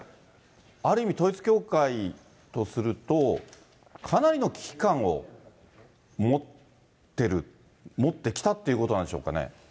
ある意味、統一教会とすると、かなりの危機感を持ってる、持ってきたということなんでしょうかね。